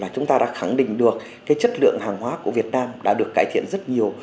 chúng ta đã khẳng định được chất lượng hàng hóa của việt nam đã được cải thiện rất nhiều